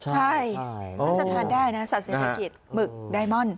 ใช่น่าจะทานได้นะสัตว์เศรษฐกิจหมึกไดมอนด